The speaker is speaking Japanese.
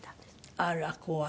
あら怖い。